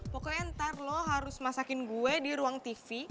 pokoknya ntar loh harus masakin gue di ruang tv